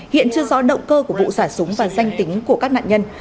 hiện chưa rõ động cơ của vụ xả súng và danh tính của các nạn nhân